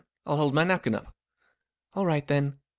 I'll hold my napkin t 14 All right, then.